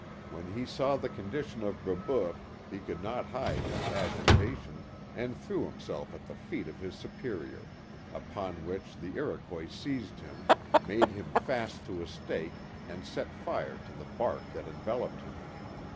When he saw the condition of Brebeuf he could not hide his agita tion, and threw himself at the feet of his Superior, upon w^hich the Iroquois seized him, made him fast to a stake and set fire to the bark that enveloped him.